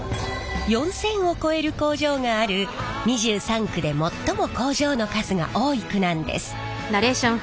４，０００を超える工場がある２３区で最も工場の数が多い区なんです。